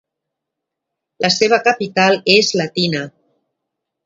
La seva capital és Latina.